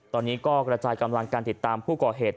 ตอนนี้ก็กระจายกำลังการติดตามผู้ก่อเหตุ